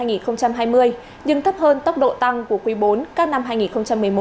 nhưng thấp hơn tốc độ tăng của quý bốn các năm hai nghìn một mươi một hai nghìn một mươi chín